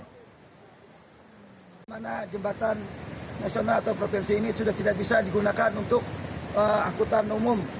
di mana jembatan nasional atau provinsi ini sudah tidak bisa digunakan untuk angkutan umum